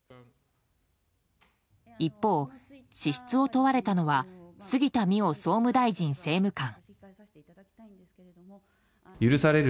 一方、資質を問われたのは杉田水脈総務大臣政務官。